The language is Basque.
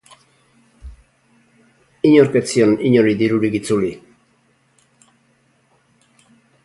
Inork ez zion inori dirurik itzuli.